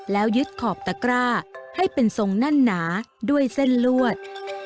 แล้วยึดขอบตะกร้าให้เป็นทรงแน่นหนาด้วยเส้นลวด